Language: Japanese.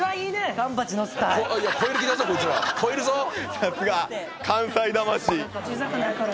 さすが関西魂！